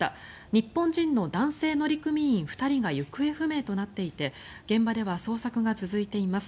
日本人の男性乗組員２人が行方不明となっていて現場では捜索が続いています。